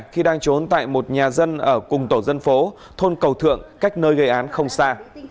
khi đang trốn tại một nhà dân ở cùng tổ dân phố thôn cầu thượng cách nơi gây án không xa